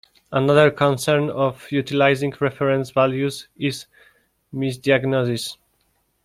Another concern of utilizing reference values is misdiagnosis.